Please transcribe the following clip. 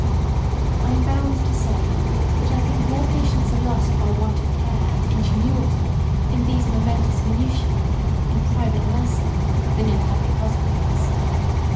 I am bound to say, that I think more patients are lost by want of care and ingenuity in these momentous minutiae in private nursing than in public hospitals.